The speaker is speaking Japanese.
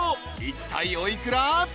［いったいお幾ら？］